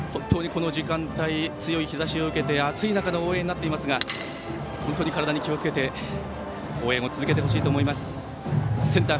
この時間帯強い日ざしを受けて暑い中での応援になっていますが体に気をつけて応援を続けてほしいと思います。